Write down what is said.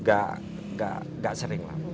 enggak sering lah